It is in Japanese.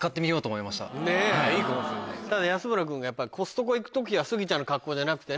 ただ安村君がコストコ行く時はスギちゃんの格好じゃなくてね。